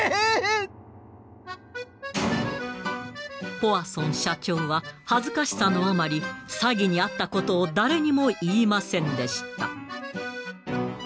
ポワソン社長は恥ずかしさのあまり詐欺にあったことを誰にも言いませんでした。